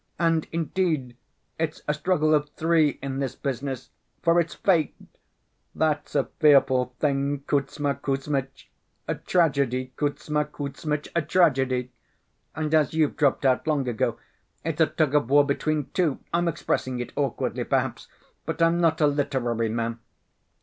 And, indeed, it's a struggle of three in this business, for it's fate—that's a fearful thing, Kuzma Kuzmitch! A tragedy, Kuzma Kuzmitch, a tragedy! And as you've dropped out long ago, it's a tug‐ of‐war between two. I'm expressing it awkwardly, perhaps, but I'm not a literary man.